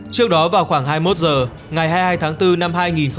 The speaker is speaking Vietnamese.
trước đó vào khoảng hai mươi một h ngày hai mươi hai tháng bốn năm hai nghìn hai mươi